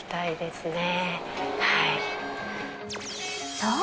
［そう！